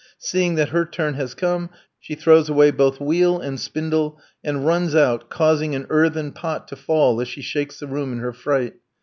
Seeing that her turn has come, she throws away both wheel and spindle, and runs out, causing an earthen pot to fall as she shakes the room in her fright.